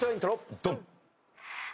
ドン！